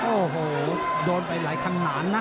โอ้โหโดนไปหลายคันหลานนะ